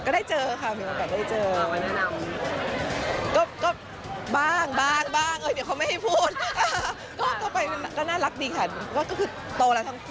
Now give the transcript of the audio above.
ได้เจอทั้งคู่หรือยังคะก็ได้เจอค่ะมีโอกาสได้เจอ